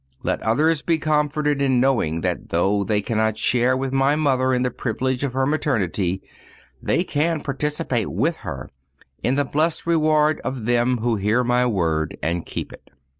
Let others be comforted in knowing that though they cannot share with My Mother in the privilege of her maternity, they can participate with her in the blessed reward of them who hear My word and keep it.